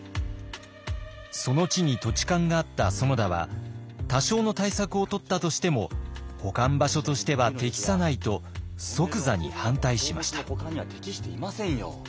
その地に土地勘があった園田は多少の対策をとったとしても保管場所としては適さないと即座に反対しました。